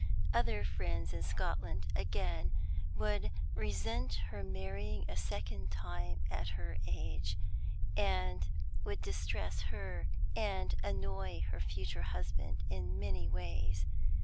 Other friends in Scotland, again, would resent her marrying a second time at her age, and would distress her and annoy her future husband in many ways.